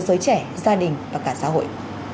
giới trẻ gia đình và cả xã hội